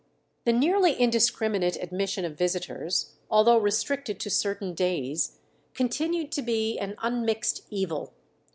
The nearly indiscriminate admission of visitors, although restricted to certain days, continued to be an unmixed evil.